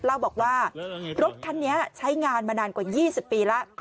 เล่าบอกว่ารถคันนี้ใช้งานมานานกว่า๒๐ปีแล้ว